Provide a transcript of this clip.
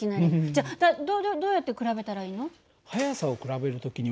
じゃあどどうやって比べたらいいの？